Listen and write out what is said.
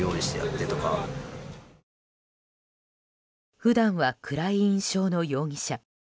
普段は暗い印象の容疑者。